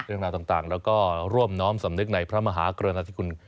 เรื่องราวต่างแล้วก็ร่วมน้อมสำนึกในพระมหากรณาธิคุณ